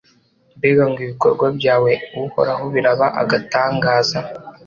Mbega ngo ibikorwa byawe Uhoraho biraba agatangaza